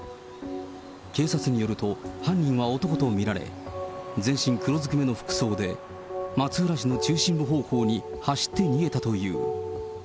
警察によると、犯人は男と見られ、全身黒ずくめの服装で、松浦市の中心部方向に走って逃げたという。